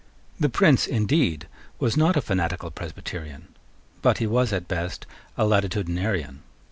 The Prince, indeed, was not a fanatical Presbyterian; but he was at best a Latitudinarian.